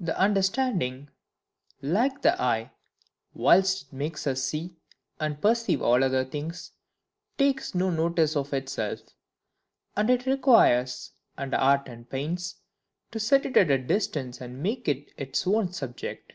The understanding, like the eye, whilst it makes us see and perceive all other things, takes no notice of itself; and it requires and art and pains to set it at a distance and make it its own object.